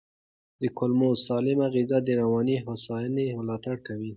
د کولمو سالمه غذا د رواني هوساینې ملاتړ کوي.